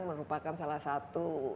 merupakan salah satu